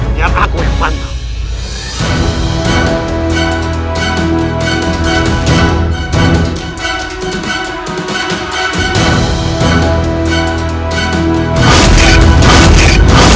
biar aku yang pantau